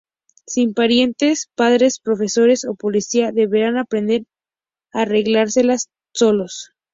Sin parientes, padres, profesores o policía deberán aprender a arreglárselas solos.